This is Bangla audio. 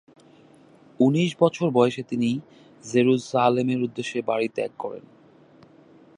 উনিশ বছর বয়সে তিনি জেরুসালেমের উদ্দেশ্যে বাড়ি ত্যাগ করেন।